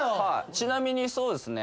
ちなみにそうですね